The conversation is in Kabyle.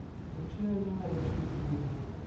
Mačči ala arrac i yettxemmimen akka.